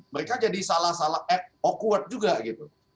mereka jadi salah salah akward juga gitu